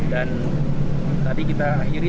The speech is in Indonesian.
dan tadi kita akhiri